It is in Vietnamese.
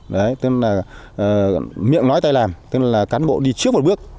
đấy tên là miệng nói tay làm tên là cán bộ đi trước một bước